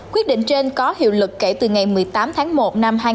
quyết định trên có hiệu lực kể từ ngày một mươi tám tháng một năm hai nghìn hai mươi